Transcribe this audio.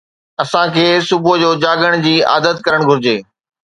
اسان کي صبح جو جاڳڻ جي عادت ڪرڻ گهرجي